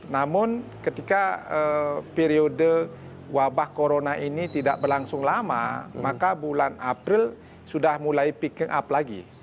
namun ketika periode wabah corona ini tidak berlangsung lama maka bulan april sudah mulai picking up lagi